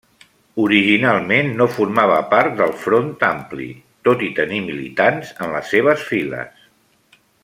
Originalment no formava part del Front Ampli, tot i tenir militants en les seves files.